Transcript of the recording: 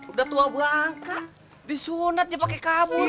udah tua bangka disunat aja pake kamur